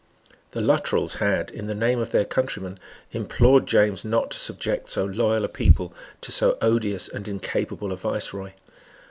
The Luttrells had, in the name of their countrymen, implored James not to subject so loyal a people to so odious and incapable a viceroy.